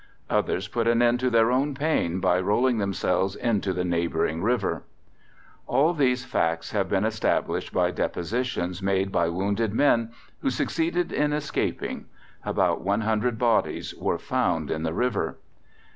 Others put an end to their own pain by rolling themselves into the neighboring river. All these facts have been established by depositions made by wounded men who succeeded in escaping. About 100 bodies were found in the river.